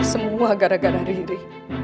ini semua gara gara riri